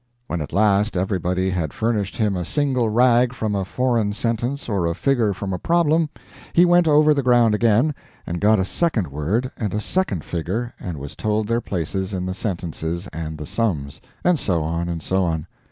When at last everybody had furnished him a single rag from a foreign sentence or a figure from a problem, he went over the ground again, and got a second word and a second figure and was told their places in the sentences and the sums; and so on and so on.